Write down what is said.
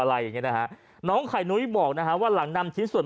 อะไรอย่างเงี้นะฮะน้องไข่นุ้ยบอกนะฮะว่าหลังนำชิ้นส่วน